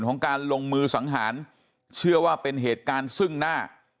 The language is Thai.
ของการลงมือสังหารเชื่อว่าเป็นเหตุการณ์ซึ่งหน้า